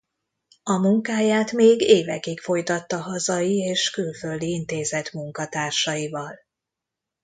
A munkáját még évekig folytatta hazai és külföldi intézet munkatársaival.